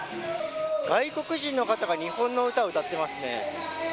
外国人の方が日本の歌を歌っていますね。